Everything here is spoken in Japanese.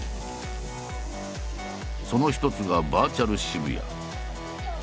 その一つがバーチャル渋谷。